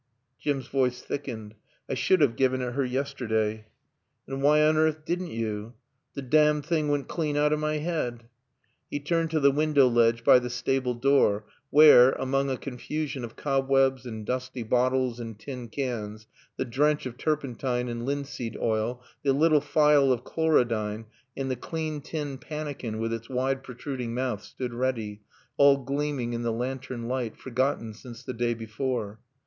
Jim's voice thickened. "I sud have given it her yesterda." "And why on earth didn't you?" "The domned thing went clane out o' my head." He turned to the window ledge by the stable door where, among a confusion of cobwebs and dusty bottles and tin cans, the drench of turpentine and linseed oil, the little phial of chlorodyne, and the clean tin pannikin with its wide protruding mouth, stood ready, all gleaming in the lantern light, forgotten since the day before.